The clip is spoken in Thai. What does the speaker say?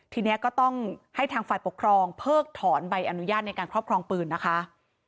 ทีนี้ก็ต้องให้ทางฝ่ายปกครองเพิกถอนใบอนุญาตในการครอบครองปืนนะคะ